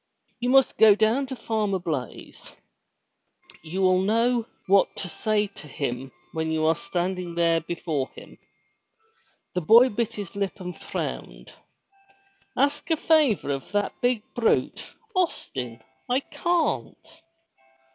"You must go down to Farmer Blaize. You will know 243 MY BOOK HOUSE what to say to him when you're standing there before him." The boy bit his Up and frowned. Ask a favor of that big brute, Austin? I can't!''